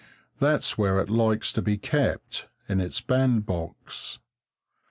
That's where it likes to be kept, in its bandbox.